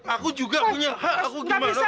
aku juga punya hak aku gimana sama mu